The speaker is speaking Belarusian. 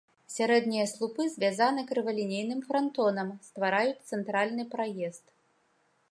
Сярэднія слупы звязаны крывалінейным франтонам, ствараюць цэнтральны праезд.